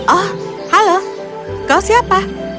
oh halo kau siapa